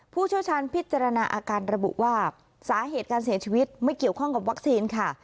ผู้เชี่ยวชาญพิจารณาอาการระบุว่าสาเหตุการเสียชีวิตไม่เกี่ยวข้องกับวัคซีนค่ะ